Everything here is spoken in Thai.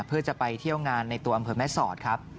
เพื่อจะไปเที่ยวงานในตัวอำเภอแม่สอดครับ